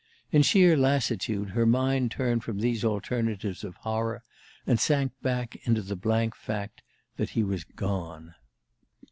In sheer lassitude her mind turned from these alternatives of horror, and sank back into the blank fact that he was gone.